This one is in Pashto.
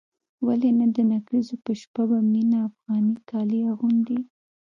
ولې نه د نکريزو په شپه به مينه افغاني کالي اغوندي.